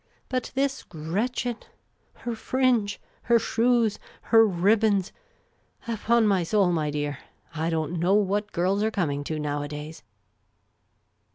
But this Gretchen — her fringe, her shoes, her ribbons — upon my soul, my dear, I don't know what girls are coming to nowadays."